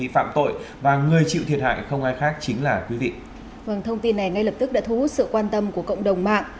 phần thông tin này ngay lập tức đã thú sự quan tâm của cộng đồng mạng